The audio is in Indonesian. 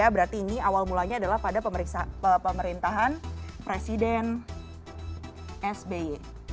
berarti ini awal mulanya adalah pada pemerintahan presiden sby